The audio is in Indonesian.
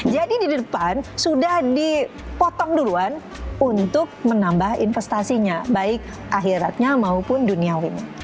jadi di depan sudah dipotong duluan untuk menambah investasinya baik akhiratnya maupun duniawinya